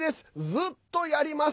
ずっとやります！